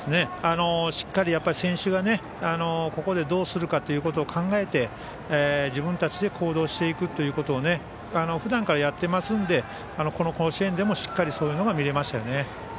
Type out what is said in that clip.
しっかり選手がここでどうするかを考えて、自分たちで行動していくということをふだんからやっていますのでこの甲子園でもしっかり、そういうのが見られましたよね。